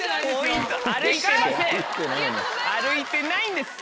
歩いてないですよ！